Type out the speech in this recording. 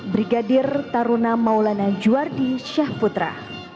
brigadir taruna maulana juwardi syahputra